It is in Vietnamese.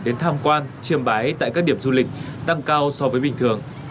đến tham quan chiêm bái tại các điểm du lịch tăng cao so với bình thường